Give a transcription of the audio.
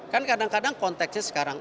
kan kadang kadang konteksnya sekarang